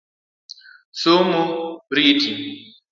Somo riti.